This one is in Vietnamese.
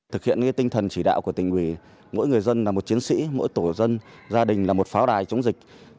thực hiện tinh thần chỉ đạo của tỉnh ủy mỗi người dân là một chiến sĩ mỗi tổ dân gia đình là một pháo đài chống dịch